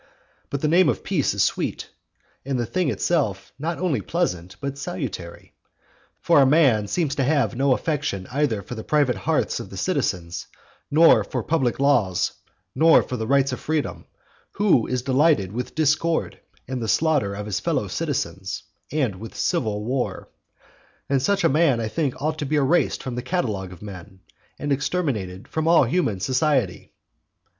But the name of peace is sweet; and the thing itself not only pleasant but salutary. For a man seems to have no affection either for the private hearths of the citizens, nor for the public laws, nor for the rights of freedom, who is delighted with discord and the slaughter of his fellow citizens, and with civil war; and such a man I think ought to be erased from the catalogue of men, and exterminated from all human society.